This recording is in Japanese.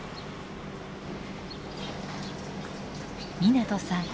湊さん